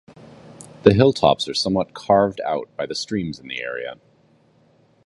The hilltops are somewhat "carved" out by the streams in the area.